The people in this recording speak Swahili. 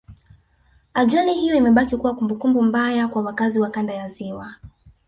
Ajali hiyo imebaki kuwa kumbukumbu mbaya kwa wakazi wa Kanda ya Ziwa